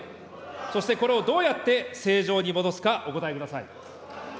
そして、これをどうやって正常に戻すか、お答えください。